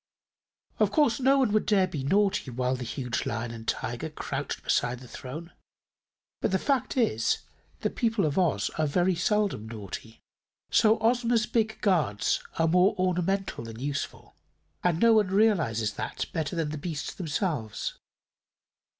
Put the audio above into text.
Of course no one would dare be naughty while the huge Lion and Tiger crouched beside the throne; but the fact is, the people of Oz are very seldom naughty. So Ozma's big guards are more ornamental than useful, and no one realizes that better than the beasts themselves.